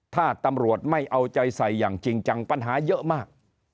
ถ้าตำรวจไม่เอาใจใส่อย่างจริงจังปัญหาเยอะมาก